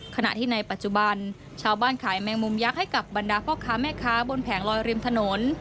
ขณะที่ในปัจจุบันชาวบ้านขายแมงมุมยักษ์ให้กับบรรดาพ่อค้าแม่ค้าบนแผงลอยริมถนน